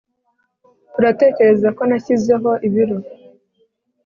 Uratekereza ko nashyizeho ibiro